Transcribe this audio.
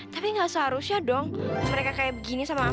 tapi nggak seharusnya dong mereka kayak begini sama aku